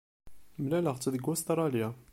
Mlaleɣ-tt deg Ustṛalya.